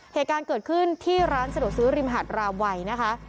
เหตุการณ์เกิดขึ้นที่ร้านสะดวกซื้อริมหาดรามวัยนะคะ